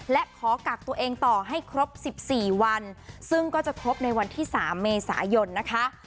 และขอกักตัวเองต่อให้ครบ๑๔วันซึ่งก็จะครบในวันที่๓เมษายนนะคะ